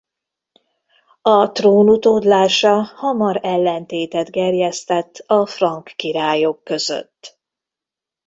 A trón utódlása hamar ellentétet gerjesztett a frank királyok között.